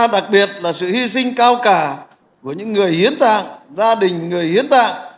đặc biệt là sự hy sinh cao cả của những người hiến tạng gia đình người hiến tạng